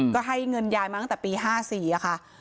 ก็ให้เงินยายมาตั้งแต่ปี๕๔ค่ะ